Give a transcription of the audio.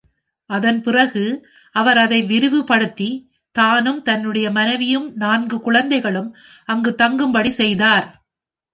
அதன்பிறகு, அவர் அதை விரிவுபடுத்தித் தானும் தன்னுடைய மனைவியும் நான்கு குழந்தைகளும் அங்கு தங்கும்படி செய்தார்.